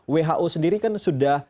who sendiri kan sudah